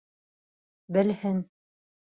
Белһен.